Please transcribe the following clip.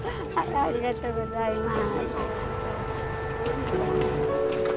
ありがとうございます。